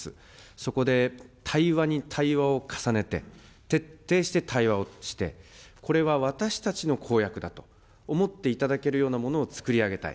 そこで対話に対話を重ねて、徹底して対話をして、これは私たちの公約だと思っていただけるようなものを作り上げたい。